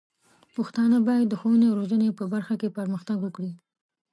پښتانه بايد د ښوونې او روزنې په برخه کې پرمختګ وکړي.